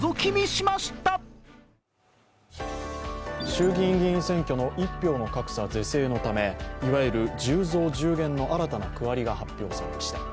衆議院議員選挙の一票の格差是正のためいわゆる１０増１０減の新たな区割りが発表されました。